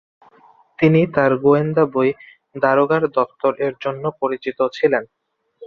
তিনি তাঁর গোয়েন্দা বই “দারোগার দপ্তর”-এর জন্য পরিচিত ছিলেন।